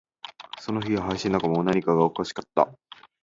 その日は林の中も、何かがおかしかった